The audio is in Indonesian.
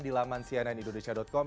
di laman cnn indonesia com